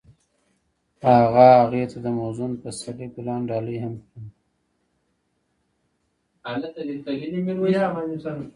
هغه هغې ته د موزون پسرلی ګلان ډالۍ هم کړل.